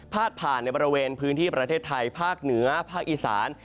ผ่านในบริเวณพื้นที่ประเทศไทยภาคเหนือภาคอีสาน